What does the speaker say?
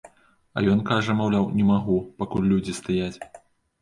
А ён кажа, маўляў, не магу, пакуль людзі стаяць.